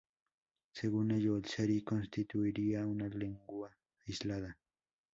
Según ello, el seri constituiría una lengua aislada.